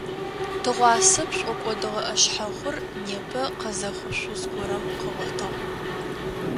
Тыгъуасэ пшӏокӏодыгъэ ӏэшъхьэхъур непэ къэзэхъо шъуз горэм къыгъотыгъ.